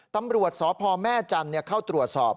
ตำรวจสพแม่จันทร์เข้าตรวจสอบ